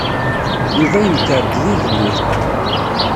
Yuba yenker-d d igellil.